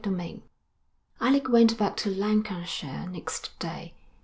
XVIII Alec went back to Lancashire next day.